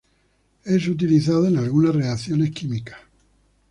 Es utilizado en algunas reacciones químicas.